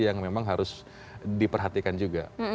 yang memang harus diperhatikan juga